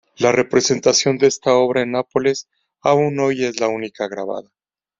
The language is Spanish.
La representación de esta obra en Nápoles, aun hoy, es la única grabada.